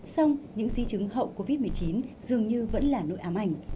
xong những di chứng hậu covid một mươi chín dường như vẫn là nội ám ảnh